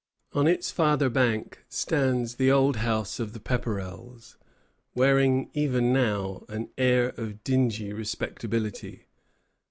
On its farther bank stands the old house of the Pepperrells, wearing even now an air of dingy respectability.